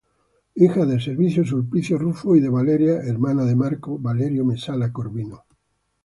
Hija de Servio Sulpicio Rufo y de Valeria, hermana de Marco Valerio Mesala Corvino.